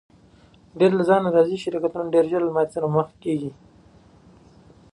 ډېری له ځانه راضي شرکتونه ډېر ژر له ماتې سره مخ کیږي.